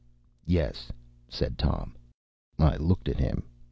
“Yes,” said Tom. I looked at him.